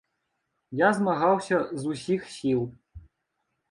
Я змагаўся з усіх сіл.